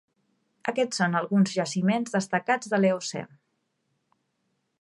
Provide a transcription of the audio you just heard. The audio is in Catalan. Aquests són alguns jaciments destacats de l'Eocè.